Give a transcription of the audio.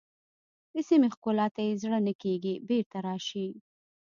د سیمې ښکلا ته یې زړه نه کېږي بېرته راشئ.